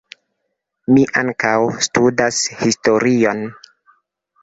Mi ankaŭ studas historion.